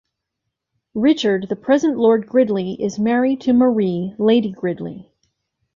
Richard, the present Lord Gridley, is married to Marie, Lady Gridley.